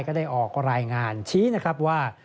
ก็ได้ออกรายงานชี้นะครับว่า